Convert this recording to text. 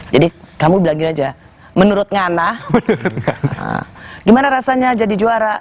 jadi kamu bilangin aja menurut ngana gimana rasanya jadi juara